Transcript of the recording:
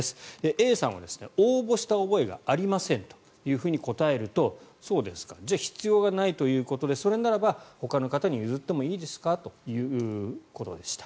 Ａさんは応募した覚えがありませんというふうに答えるとそうですかじゃあ必要がないということでそれならば、ほかの方に譲ってもいいですかということでした。